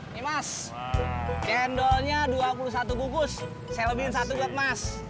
nih mas cendolnya dua puluh satu gukus saya lebihin satu buat mas